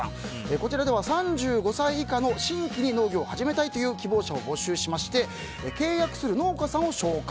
こちらでは３５歳以下の新規で農業を始めたいという希望者を募集しまして契約する農家さんを紹介。